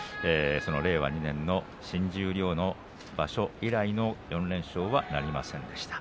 令和２年の新十両の場所以来の４連勝はなりませんでした。